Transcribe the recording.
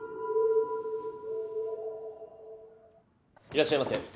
いらっしゃいませ。